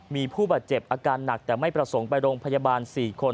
มีผู้บาดเจ็บอาการหนักแต่ไม่ประสงค์ไปโรงพยาบาล๔คน